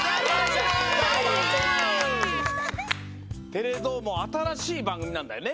「テレどーも！」はあたらしいばんぐみなんだよね？